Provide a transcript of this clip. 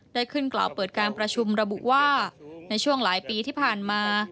ได้ขึ้นกล่าวเปิดการประชุมระบุว่าในช่วงหลายปีที่ผ่านมา